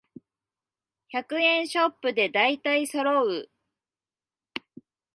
百円ショップでだいたいそろう